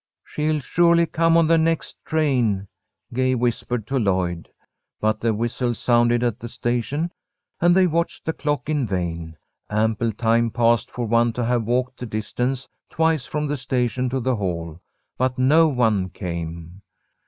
"She'll surely come on the next train," Gay whispered to Lloyd, but the whistle sounded at the station, and they watched the clock in vain. Ample time passed for one to have walked the distance twice from the station to the Hall, but no one came.